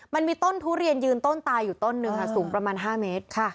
มันมีต้นทุเรียนยืนต้นตายอยู่ต้นหนึ่งค่ะสูงประมาณ๕เมตร